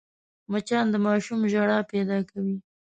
مچان د ماشوم ژړا پیدا کوي